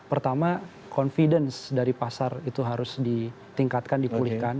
pertama confidence dari pasar itu harus ditingkatkan dipulihkan